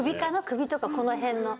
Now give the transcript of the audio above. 首とかこの辺の」